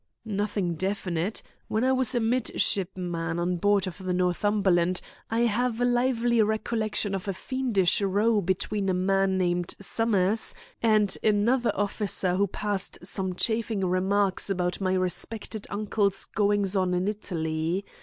"Nothing definite. When I was a mid shipman on board the Northumberland I have a lively recollection of a fiendish row between a man named Somers and another officer who passed some chaffing remark about my respected uncle's goings on in Italy.